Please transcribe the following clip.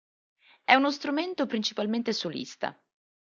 È un strumento principalmente solista.